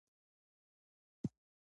پاکیزه خپل نظر په مستعار نوم خپروي.